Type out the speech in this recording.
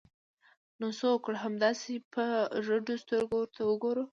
نو څه وکړو؟ همداسې په رډو سترګو ورته وګورو!